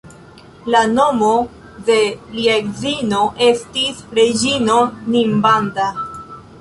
La nomo de lia edzino estis reĝino Ninbanda.